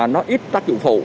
nó ít tác dụng phụ